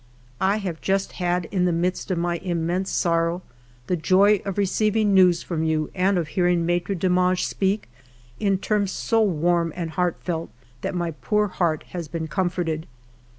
" I have just had, in the midst of my immense sorrow, the joy of receiving news from you and of hearing Maitre Demange speak in terms so warm and heartfelt that my poor heart has been comforted.